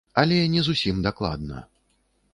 Але не зусім дакладна.